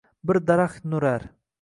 bir daraxt nurar.